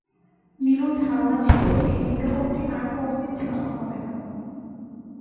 নীলুর ধারণা ছিল, এই বিজ্ঞাপনটি আর কোনো দিন ছাপা হবে না।